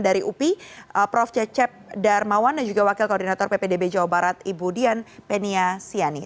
dari upi prof cecep darmawan dan juga wakil koordinator ppdb jawa barat ibu dian penia siani